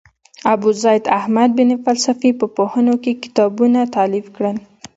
ابوزید احمد بن فلسفي په پوهنو کې کتابونه تالیف کړل.